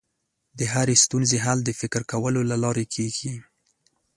د هرې ستونزې حل د فکر کولو له لارې کېږي.